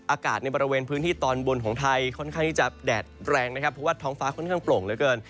อากาศในบริเวณพื้นที่ตอนบนของไทยค่อนข้างที่จะแดดแรงนะครับเพราะว่าท้องฟ้าค่อนข้างโปร่งเหลือเกิน